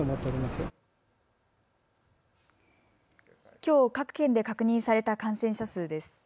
きょう各県で確認された感染者数です。